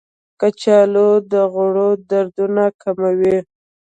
کچالو د غړو دردونه کموي.